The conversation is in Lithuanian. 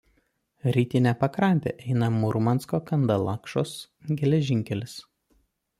Rytine pakrante eina Murmansko–Kandalakšos geležinkelis.